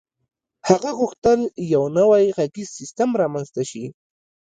هغه غوښتل یو نوی غږیز سیسټم رامنځته شي